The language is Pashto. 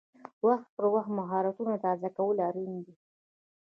وخت پر وخت مهارتونه تازه کول اړین دي.